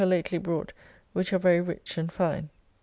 ] that are lately brought, which are very rich and fine.